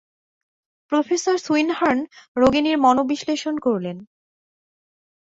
Professor সুইন হার্ন রোগিণীর মনোবিশ্লেষণ করলেন।